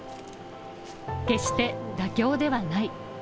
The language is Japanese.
決して妥協ではない。